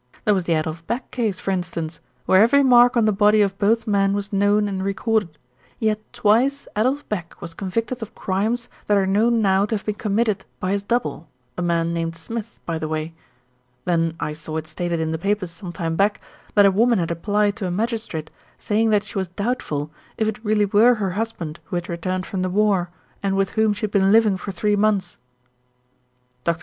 "There was the Adolf Beck case, for instance, where every mark on the body of both men was known and recorded; yet twice Adolf Beck was convicted of crimes that are known now to have been committed by his double, a man named Smith, by the way. Then I saw it stated in the papers some time back, that a woman had applied to a magistrate saying that she was doubt ful if it really were her husband who had returned from the war, and with whom she had been living for three months." Dr.